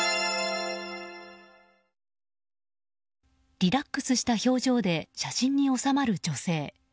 リラックスした表情で写真に収まる女性。